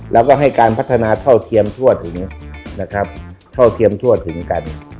แล้วก็ให้การพัฒนาเท่าเทียมทั่วถึงนะครับเท่าเทียมทั่วถึงกัน